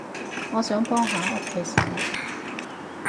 我想幫下屋企手